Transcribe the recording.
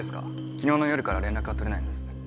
昨日の夜から連絡が取れないんです。